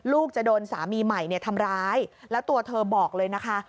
จะโดนสามีใหม่ทำร้ายแล้วตัวเธอบอกเลยนะคะ